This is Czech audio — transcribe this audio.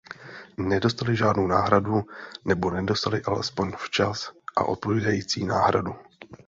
Nedostali žádnou náhradu, nebo nedostali alespoň včas a odpovídající náhradu.